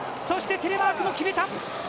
そして、テレマークも決めた！